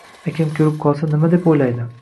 Akam koʻrib qolsa, nima deb oʻylaydi